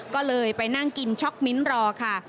ก็เลยไปนั่งกินช็อกมิ้นรอค่ะ